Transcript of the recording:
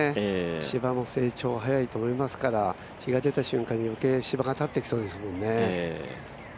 芝も成長早いと思いますから日が出た瞬間に、余計芝が立ってきそうですもんね。